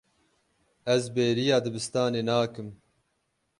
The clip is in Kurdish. Ez bêriya dibistanê nakim.